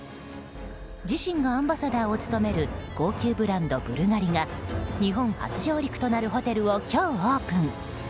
自身がアンバサダーを務める高級ブランド、ブルガリが日本初上陸となるホテルを今日オープン。